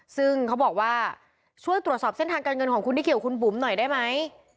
ซึ่งเขาบอกว่าช่วยตรวจสอบเส้นทางการเงินของคุณที่เกี่ยวคุณบุ๋มหน่อยได้ไหม